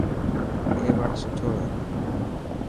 اي وڻ سٺو هي.